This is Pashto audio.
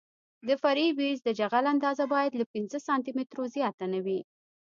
د فرعي بیس د جغل اندازه باید له پنځه سانتي مترو زیاته نه وي